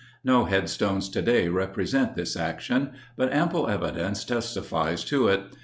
No headstones today repre sent this action, but ample evidence testifies to it.